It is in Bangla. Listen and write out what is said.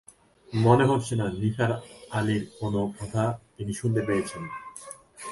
মনে হচ্ছে না, নিসার আলির কোনো কথা তিনি শুনতে পেয়েছেন।